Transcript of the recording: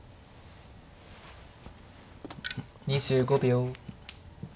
２５秒。